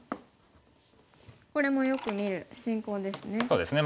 これもよく見る進行ですね。